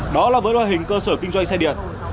đó là vấn đoàn hình cơ sở kinh doanh xe